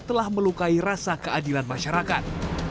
telah melukai rasa keadilan masyarakat